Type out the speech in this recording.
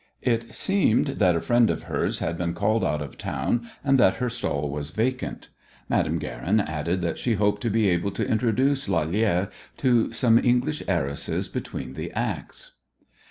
It seemed that a friend of hers had been called out of town and that her stall was vacant. Madame Guerin added that she hoped to be able to introduce Lalère to some English heiresses between the acts.